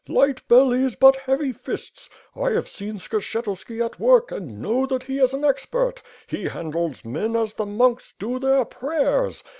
Light bellies, but heavy fists. I have seen Skshetuski at work and know that he is an expert. He handles men as the monks do their prayers.